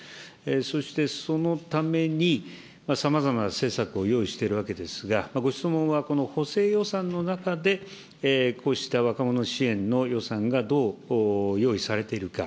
そしてそのために、さまざまな施策を用意しているわけですが、ご質問はこの補正予算の中で、こうした若者支援の予算がどう用意されているか。